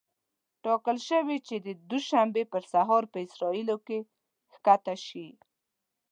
ټاکل شوې چې د دوشنبې په سهار په اسرائیلو کې ښکته شي.